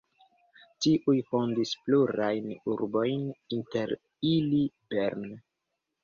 Tiuj fondis plurajn urbojn, inter ili Bern.